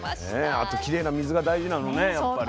あときれいな水が大事なのねやっぱり。